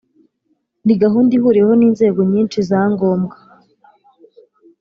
ni gahunda ihuriweho n'inzego nyinshi za ngombwa.